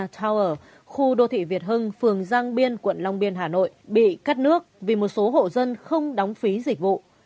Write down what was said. tower khu đô thị việt hưng phường giang biên quận long biên hà nội bị cắt nước vì một số hộ dân không đóng phí dịch vụ